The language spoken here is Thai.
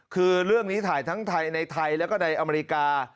คือเรื่องนี้ถ่ายทั้งไทยในไทยแล้วก็ในอเมริกา